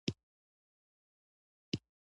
د زيارتونو او باباګانو نه مرسته غوښتل ناپوهي ده